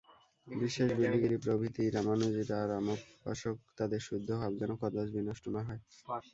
বিশেষ বিলিগিরি প্রভৃতি রামানুজীরা রামোপাসক, তাঁদের শুদ্ধ ভাব যেন কদাচ বিনষ্ট না হয়।